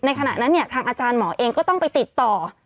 ขณะนั้นเนี่ยทางอาจารย์หมอเองก็ต้องไปติดต่อ